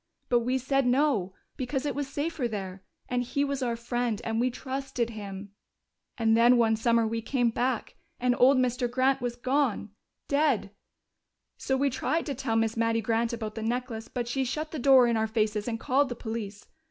But we said no, because it was safer there, and he was our friend, and we trusted him. "And then one summer we came back, and old Mr. Grant was gone. Dead. So we tried to tell Miss Mattie Grant about the necklace, but she shut the door in our faces and called the police.